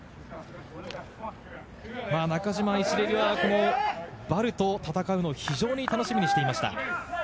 中島イシレリはヴァルと戦うのは非常に楽しみにしていました。